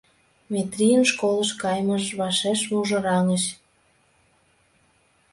Метрийын школыш кайымыж вашеш мужыраҥыч.